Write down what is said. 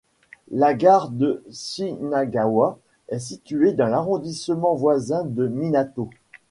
La gare de Shinagawa est située dans l'arrondissement voisin de Minato.